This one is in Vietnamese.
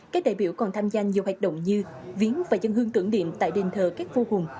các đại biểu còn tham gia nhiều hoạt động như viếng và dân hương tưởng niệm tại đền thờ các vua hùng